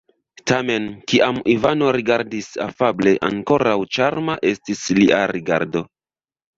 Tamen, kiam Ivano rigardis afable, ankoraŭ ĉarma estis lia rigardo.